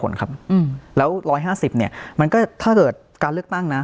และมันแค่๕๐เนี่ยนะ